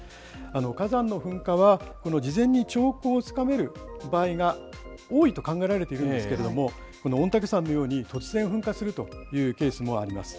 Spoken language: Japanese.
火山の噴火は事前に兆候をつかめる場合が多いと考えられているんですけれども、この御嶽山のように、突然噴火するというケースもあります。